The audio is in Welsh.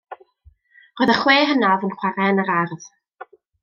Roedd y chwe hynaf yn chware yn yr ardd.